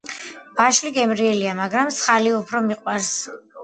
ვაშლი გემრიელია, მაგრამ მსხალი უფრო მიყვარს.